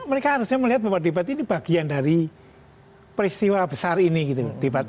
mereka harusnya melihat bahwa debat ini bagian dari peristiwa besar ini gitu